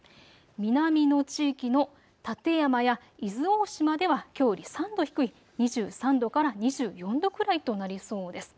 南の地域の館山や伊豆大島ではきょうより３度低い２３度から２４度くらいとなりそうです。